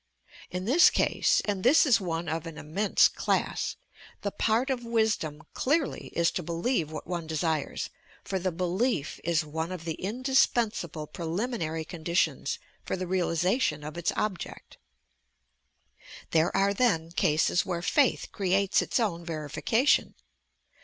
In this case (and this is one of an immense class) the part of wis dom elearly is to believe what one desires, for the belief is one of the indispensable preliminary conditions for the realization of its object. There are then cases where faith creates its own verification.